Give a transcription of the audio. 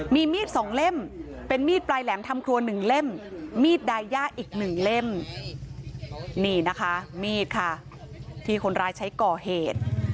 มีมีดสองเล่มเป็นมีดปลายแหลมทำครัว๑เล่มมีดดายย่าอีกหนึ่งเล่มนี่นะคะมีดค่ะที่คนร้ายใช้ก่อเหตุ